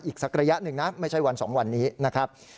อีกสักระยะหนึ่งนะไม่ใช่วัน๒วันนี้นะครับ